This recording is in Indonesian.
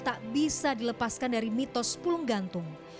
tak bisa dilepaskan dari mitos pulung gantung